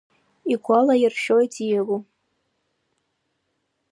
Игәалаиршәоит Диего.